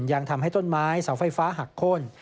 ยังทำให้ต้นไม้เสาไฟฟ้าหักโค้น